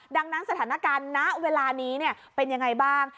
ดังนั้นสถานการณ์ณเวลานี้เป็นยังไงบ้าง